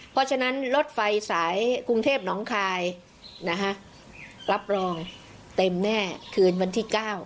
เพราะฉะนั้นรถไฟสายกรุงเทพน้องคายนะคะรับรองเต็มแน่คืนวันที่๙